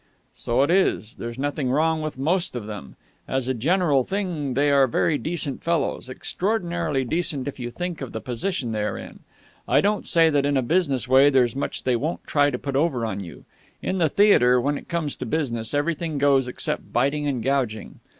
"So it is. There's nothing wrong with most of them. As a general thing, they are very decent fellows extraordinarily decent if you think of the position they are in. I don't say that in a business way there's much they won't try to put over on you. In the theatre, when it comes to business, everything goes except biting and gouging.